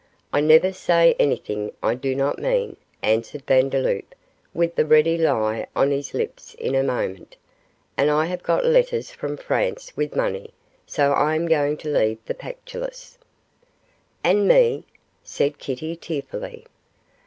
'I never say anything I do not mean,' answered Vandeloup, with the ready lie on his lips in a moment; 'and I have got letters from France with money, so I am going to leave the Pactolus.' 'And me?' said Kitty, tearfully.